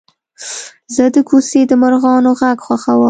زه د کوڅې د مرغانو غږ خوښوم.